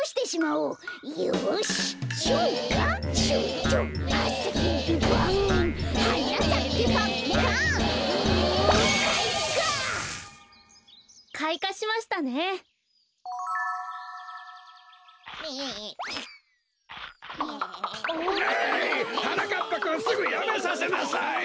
ううはなかっぱくんすぐやめさせなさい！